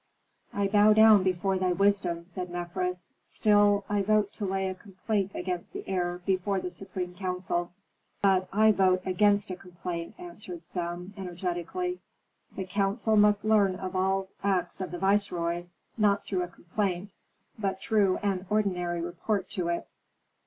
"I bow down before thy wisdom," said Mefres; "still I vote to lay a complaint against the heir before the supreme council." "But I vote against a complaint," answered Sem, energetically. "The council must learn of all acts of the viceroy, not through a complaint, but through an ordinary report to it."